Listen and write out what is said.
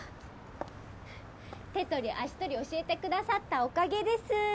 手取り足取り教えてくださったおかげです